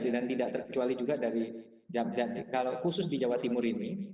dan tidak terkecuali juga dari kalau khusus di jawa timur ini